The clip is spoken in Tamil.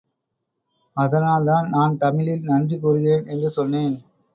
அதனால்தான் நான் தமிழில் நன்றி கூறுகிறேன். என்று சொன்னேன்.